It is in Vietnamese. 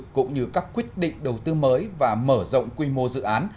cũng như các quyết định đầu tư mới và mở rộng quy mô dự án